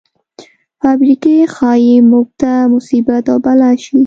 فابریکې ښايي موږ ته مصیبت او بلا شي.